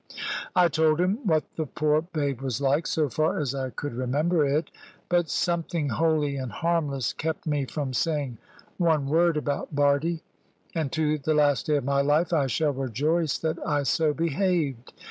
I told him what the poor babe was like, so far as I could remember it. But something holy and harmless kept me from saying one word about Bardie. And to the last day of my life I shall rejoice that I so behaved.